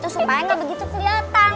supaya gak begitu keliatan